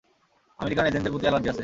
American এজেন্টদের প্রতি allergy আছে।